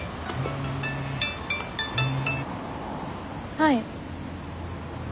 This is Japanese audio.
はい。